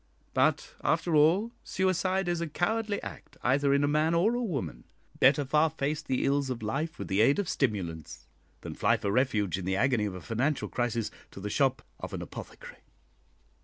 But, after all, suicide is a cowardly act either in a man or a woman; better far face the ills of life with the aid of stimulants, than fly for refuge in the agony of a financial crisis to the shop of an apothecary."